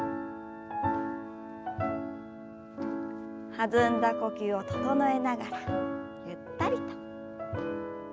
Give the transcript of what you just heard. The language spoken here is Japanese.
弾んだ呼吸を整えながらゆったりと。